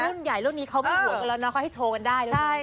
รุ่นใหญ่รุ่นนี้เขาไม่ห่วงกันแล้วนะเขาให้โชว์กันได้แล้วกัน